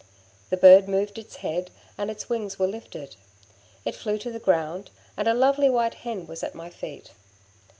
The bird moved its head, and its wings were lifted; it flew to the ground, and a lovely white hen was at my feet.